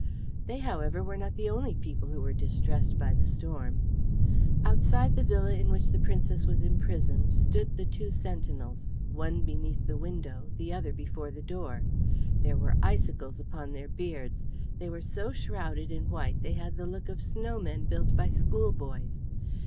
They, however, were not the only people who were distressed by the storm. Outside the villa in which the Princess was imprisoned stood the two sentinels, one beneath the window, the other before the door. There were icicles upon their beards; they were so shrouded in white they had the look of snow men built by schoolboys.